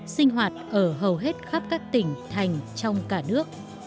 sinh hoạt ở hầu hết khắp các tỉnh thành trong cả nước